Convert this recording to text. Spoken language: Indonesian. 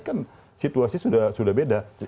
kan situasi sudah beda